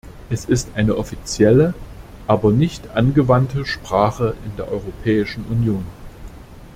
Es ist eine offizielle, aber nicht angewandte Sprache in der Europäischen Union.